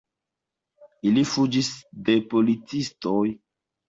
Ili fuĝis de policistoj.